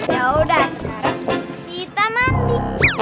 yaudah sekarang kita mandi